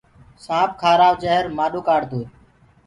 سآنٚپ کآرآئو جهر مآڏو ڪآڙدوئي